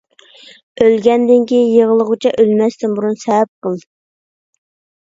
ئۆلگەندىن كىيىن يىغلىغۇچە، ئۆلمەستىن بۇرۇن سەۋەب قىل.